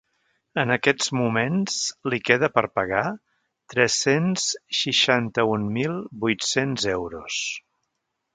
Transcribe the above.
En aquests moments li queda per pagar tres-cents seixanta-un mil vuit-cents euros.